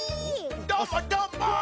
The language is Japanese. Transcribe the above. どーもどーも！